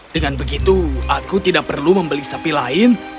dengan begitu aku tidak perlu membeli sapi lain